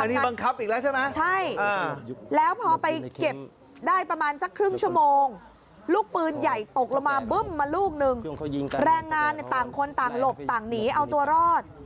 อันนี้บังคับอีกแล้วใช่ไหมใช่แล้วพอไปเก็บได้ประมาณสักครึ่งชั่วโมงลูกปืนใหญ่ตกลงมาบึ้มมาลูกนึงแรงงานต่างคนต่างหลบต่างหนีเอาตัวรอด